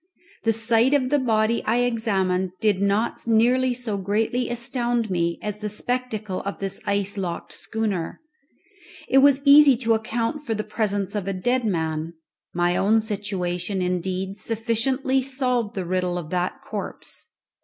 The sight of the body I examined did not nearly so greatly astound me as the spectacle of this ice locked schooner. It was easy to account for the presence of a dead man. My own situation, indeed, sufficiently solved the riddle of that corpse.